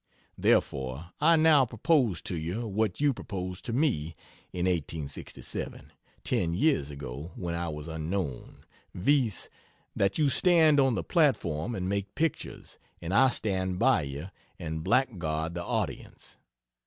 Therefore, I now propose to you what you proposed to me in 1867, ten years ago (when I was unknown) viz., that you stand on the platform and make pictures, and I stand by you and blackguard the audience.